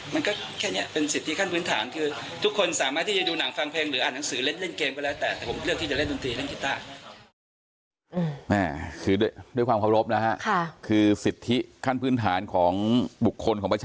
มันก็แค่เป็นสิทธิขั้นพื้นฐานทุกคนสามารถที่จะดูหนังฟังเพลง